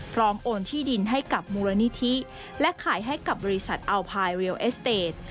โอนที่ดินให้กับมูลนิธิและขายให้กับบริษัทอัลพายเรียลเอสเตจ